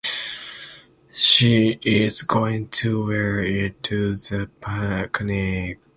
She is going to wear it to the picnic.